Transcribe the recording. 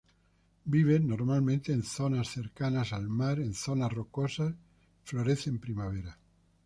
Vive normalmente en zonas cercanas al mar en zonas rocosas, florece en primavera.